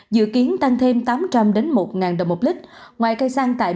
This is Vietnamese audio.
dự kiến tăng thêm tám trăm linh một nghìn đồng một lít